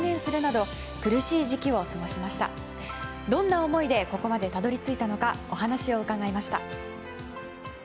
どんな思いでここまでたどり着いたのかお話を伺いました。